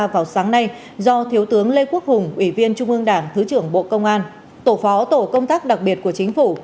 vào sáng nay do thiếu tướng lê quốc hùng ủy viên trung ương đảng thứ trưởng bộ công an tổ phó tổ công tác đặc biệt của chính phủ